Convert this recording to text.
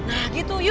nah gitu yuk